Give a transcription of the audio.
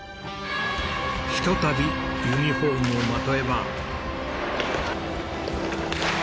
ひとたびユニホームをまとえば。